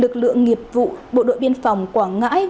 lực lượng nghiệp vụ bộ đội biên phòng quảng ngãi